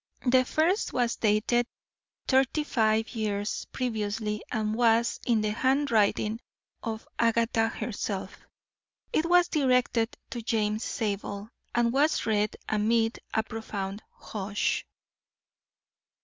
The first was dated thirty five years previously and was in the handwriting of Agatha herself. It was directed to James Zabel, and was read amid a profound hush.